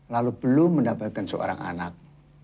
lalu belum mendapatkan seorang anak